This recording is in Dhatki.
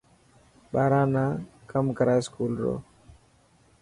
ٻاران نا ڪم ڪرا اسڪول رو.